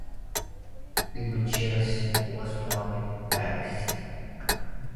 Luchaire was born in Paris.